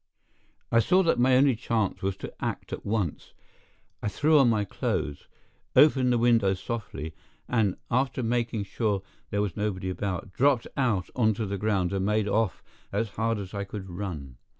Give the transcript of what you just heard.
I saw that my only chance was to act at once. I threw on my clothes, opened the window softly, and, after making sure that there was nobody about, dropped out onto the ground and made off as hard as I could run.